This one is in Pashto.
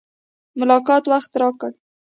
ملاقات وخت راکړ.